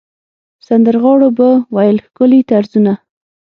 سندرغاړو به ویل ښکلي طرزونه.